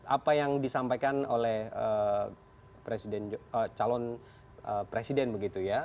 apa yang disampaikan oleh calon presiden begitu ya